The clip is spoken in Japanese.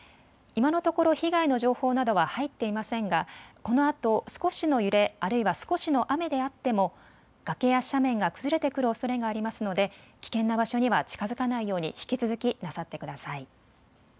今のところ被害の情報などは入っていませんがこのあと少しの揺れ、あるいは少しの雨であっても崖や斜面が崩れてくるおそれがありますので危険な場所には近づかないように引き続きなさってください。